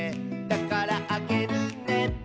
「だからあげるね」